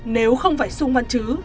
nếu không phải sung văn trứ